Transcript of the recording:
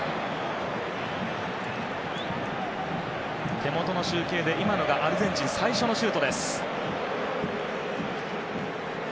手元の集計で今のがアルゼンチン最初のシュートです。